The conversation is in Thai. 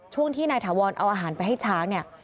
ช่วงที่นายถาวรเอาอาหารไปให้ช้างเนี่ย